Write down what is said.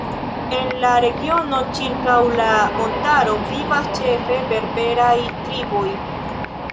En la regiono ĉirkaŭ la montaro vivas ĉefe berberaj triboj.